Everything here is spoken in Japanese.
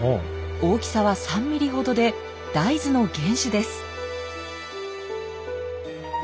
大きさは３ミリほどでダイズの原種です。